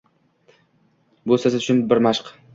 Bu siz uchun bir mashq